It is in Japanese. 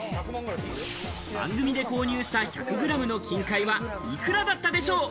番組で購入した１００グラムの金塊は幾らだったでしょう？